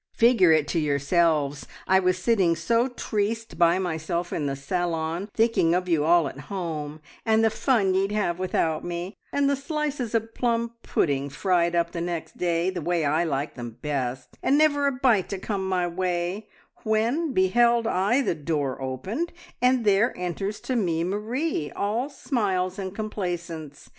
'" "Figure it to yourselves; I was sitting so triste by myself in the salon, thinking of you all at home, and the fun ye'd have without me, and the slices of plum pudding fried up the next day the way I like them best, and never a bite to come my way, when behold I the door opened, and there enters to me Marie, all smiles and complaisance.